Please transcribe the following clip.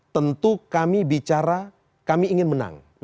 tentu kami bicara kami ingin menang